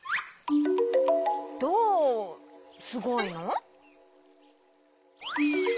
どうすごいの？